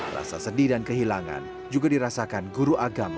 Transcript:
rasa sedih dan kehilangan juga dirasakan guru agama